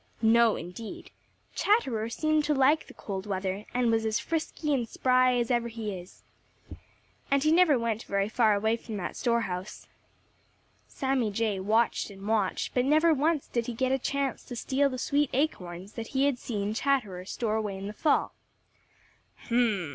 No, indeed! Chatterer seemed to like the cold weather and was as frisky and spry as ever he is. And he never went very far away from that store house. Sammy Jay watched and watched, but never once did he get a chance to steal the sweet acorns that he had seen Chatterer store away in the fall. "H m m!"